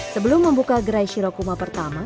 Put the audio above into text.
sebelum membuka gerai shirokuma pertama